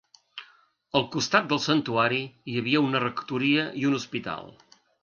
Al costat del santuari hi havia una rectoria i un hospital.